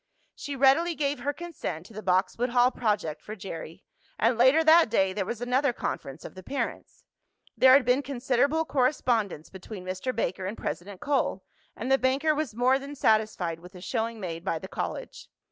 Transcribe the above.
She readily gave her consent to the Boxwood Hall project for Jerry, and later that day there was another conference of the parents. There had been considerable correspondence between Mr. Baker and President Cole, and the banker was more than satisfied with the showing made by the college.